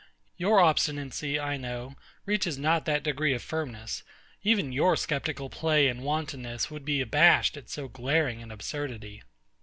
Your obstinacy, I know, reaches not that degree of firmness: even your sceptical play and wantonness would be abashed at so glaring an absurdity.